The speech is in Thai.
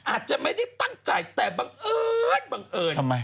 อาจจะไม่ได้ตั้งใจแต่บังเอิญบังเอิญ